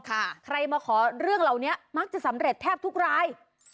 ใครมาขอเรื่องเหล่านี้มักจะสำเร็จแทบทุกราย